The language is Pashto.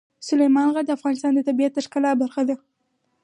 سلیمان غر د افغانستان د طبیعت د ښکلا برخه ده.